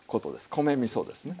米みそですね。